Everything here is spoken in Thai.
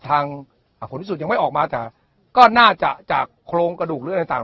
ทางผลสุดยังไม่ออกมาจ้ะก็น่าจะจากโครงกระดูกหรืออะไรต่าง